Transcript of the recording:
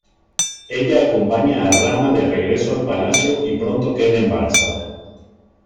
Ella acompaña a Rama de regreso al Palacio y pronto queda embarazada.